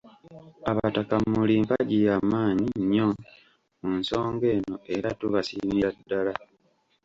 Abataka muli mpagi y'amannyi nnyo mu nsonga eno era tubasiimira ddala.